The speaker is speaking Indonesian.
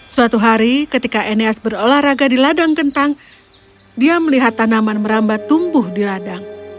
suatu hari ketika eneas berolahraga di ladang kentang dia melihat tanaman merambat tumbuh di ladang